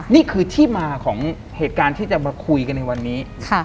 นี่คือที่มาของเหตุการณ์ที่จะมาคุยกันในวันนี้